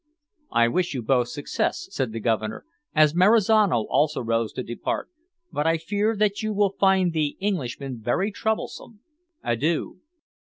"I wish you both success," said the Governor, as Marizano also rose to depart, "but I fear that you will find the Englishman very troublesome. Adieu."